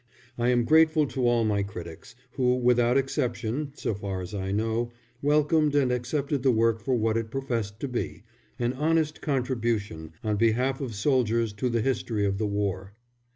I am grateful to all my critics, who, without exception, so far as I know, welcomed and accepted the work for what it professed to be an honest contribution on behalf of soldiers to the history of the war.